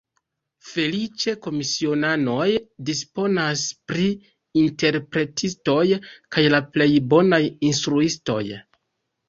Feliĉe komisionanoj disponas pri interpretistoj kaj la plej bonaj instruistoj.